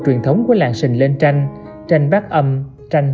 truyền thống của làng sình lên tranh tranh bác âm tranh